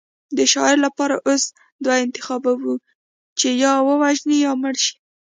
د شاعر لپاره اوس دوه انتخابه وو چې یا ووژني یا مړ شي